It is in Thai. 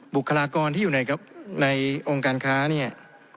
บุคลากรที่อยู่ในองค์การค้าเนี่ย